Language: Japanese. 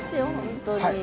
本当に。